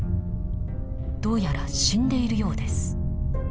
どうやら死んでいるようです。